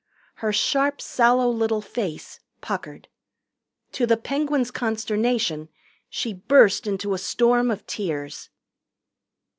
Her sharp, sallow little face puckered. To the Penguins' consternation, she burst into a storm of tears.